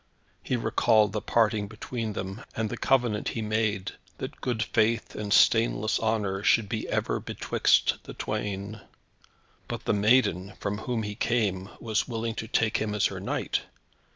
He recalled the parting between them, and the covenant he made, that good faith and stainless honour should be ever betwixt the twain. But the maiden, from whom he came, was willing to take him as her knight!